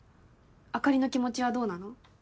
あかりの気持ちはどうなの？